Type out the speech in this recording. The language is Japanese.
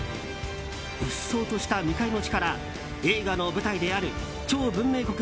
うっそうとした未開の地から映画の舞台である超文明国